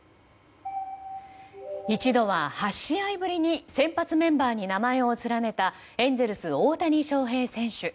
一度は８試合ぶりに先発メンバーに名前を連ねたエンゼルスの大谷翔平選手。